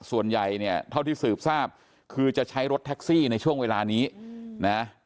ส่วนใหญ่เนี่ยเท่าที่สืบทราบคือจะใช้รถแท็กซี่ในช่วงเวลานี้นะ